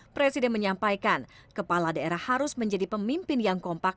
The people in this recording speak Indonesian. presiden menyampaikan kepala daerah harus menjadi pemimpin yang kompak